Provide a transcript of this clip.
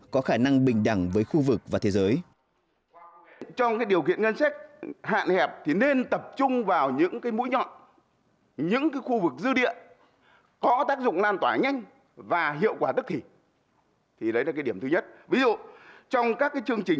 có khả năng bình đẳng với khu vực và thế giới